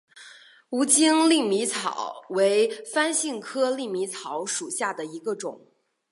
无茎粟米草为番杏科粟米草属下的一个种。